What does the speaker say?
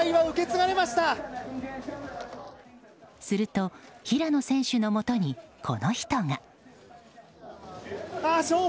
すると、平野選手のもとにこの人が。